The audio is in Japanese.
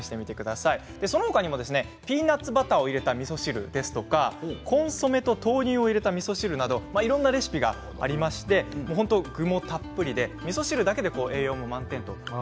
そのほかピーナツバターを入れたみそ汁やコンソメと豆乳を入れたみそ汁などいろんなレシピがありまして具もたっぷりでみそ汁だけで栄養満点です。